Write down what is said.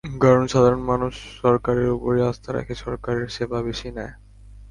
কারণ, সাধারণ মানুষ সরকারের ওপরই আস্থা রাখে, সরকারের সেবা বেশি নেয়।